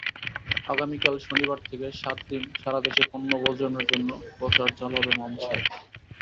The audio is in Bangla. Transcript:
আগামীকাল শনিবার থেকে সাতদিন সারা দেশে পণ্য বর্জনের জন্য প্রচার চালাবে মঞ্চ।